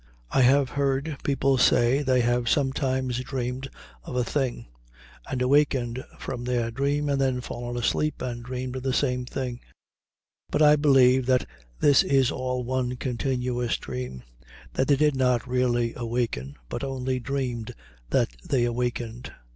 I have heard people say they have sometimes dreamed of a thing, and awakened from their dream and then fallen asleep and dreamed of the same thing; but I believe that this is all one continuous dream; that they did not really awaken, but only dreamed that they awakened.